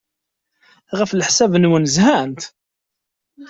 Ɣef leḥsab-nwen, zhant?